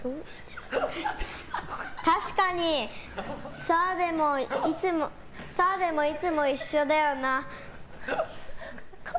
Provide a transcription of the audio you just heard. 確かに澤部もいつも一緒だよな。